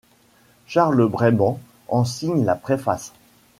Charles Braibant en signe la préface.